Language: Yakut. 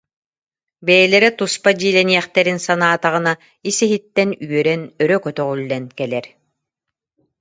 Бэйэлэрэ туспа дьиэлэниэхтэрин санаатаҕына, ис-иһиттэн үөрэн, өрө көтөҕүллэн кэлэр